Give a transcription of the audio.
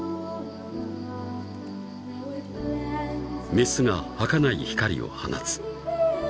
［雌がはかない光を放つ］